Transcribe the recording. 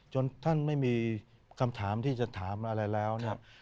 จนท่านไม่มีคำถามที่จะถามอะไรแล้ว